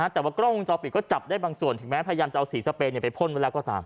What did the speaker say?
แต่ว่ากล้องวงจอปิดก็จับได้บางส่วนถึงแม้พยายามจะเอาสีสเปนไปพ่นไว้แล้วก็ตาม